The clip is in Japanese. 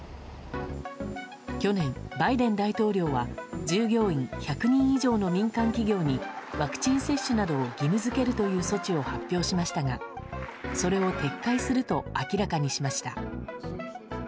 去年、バイデン大統領は従業員１００人以上の民間企業にワクチン接種などを義務付けるという措置を発表しましたがそれを撤回すると明らかにしました。